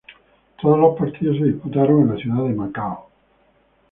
Todos los partidos se disputaron en la ciudad de Macao.